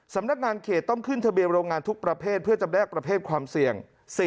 สำนักงานเขตต้องขึ้นทะเบียนโรงงานทุกประเภทเพื่อจำแลกประเภทความเสี่ยง